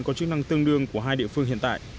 có chức năng tương đương của hai địa phương hiện tại